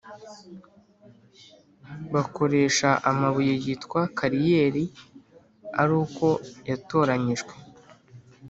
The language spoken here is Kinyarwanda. Bakoresha amabuye yitwa kariyeri ari uko yatoranyijwe